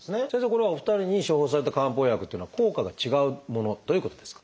これはお二人に処方された漢方薬っていうのは効果が違うものということですか？